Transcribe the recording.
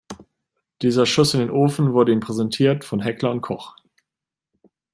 Dieser Schuss in den Ofen wurde Ihnen präsentiert von Heckler & Koch.